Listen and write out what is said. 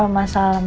terima kasih om